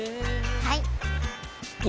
はい！